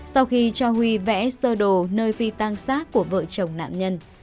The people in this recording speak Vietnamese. sau khi cho huy vẽ sơ đồ nơi phi tăng xác của vợ chồng nạn nhân